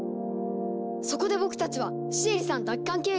そこで僕たちはシエリさん奪還計画を立案。